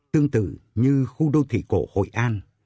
tương tự như khu đô thị cổ hội an